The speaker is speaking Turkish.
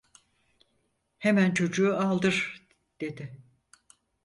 Hemen çocuğu aldır! dedi.